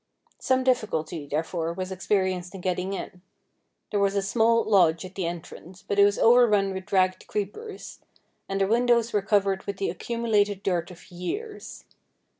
Some difficulty, therefore, was experienced in getting in. There was a small lodge at the entrance, but it was overrun with ragged creepers, and the windows were covered with the accumulated dirt of years.